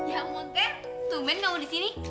ya ampun ken tumen gak mau disini